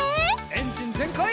エンジンぜんかい！